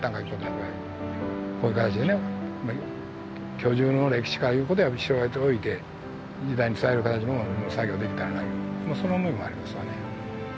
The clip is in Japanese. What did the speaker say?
やっぱりこういう形でね居住の歴史からやっぱり調べておいて次代に伝える形の作業できたらなその思いもありますわね